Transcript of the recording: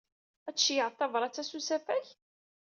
Ad tceyyɛeḍ tabṛat-a s usafag?